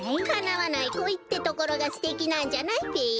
かなわないこいってところがすてきなんじゃないべ！